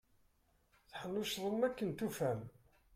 Teḥnuccḍem akken tufam.